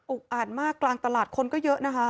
อ่านมากกลางตลาดคนก็เยอะนะคะ